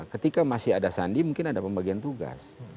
ketika masih ada sandi mungkin ada pembagian tugas